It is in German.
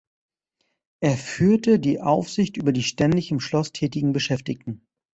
Er führte die Aufsicht über die ständig im Schloss tätigen Beschäftigten.